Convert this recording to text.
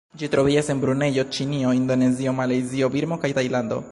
Ĝi troviĝas en Brunejo, Ĉinio, Indonezio, Malajzio, Birmo kaj Tajlando.